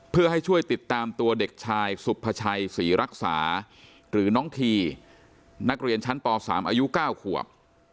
เพื่อให้ช่วยติดตามตัวเด็กชายสุภาชัยศรีรักษาหรือน้องทีนักเรียนชั้นป๓อายุ๙ขวบ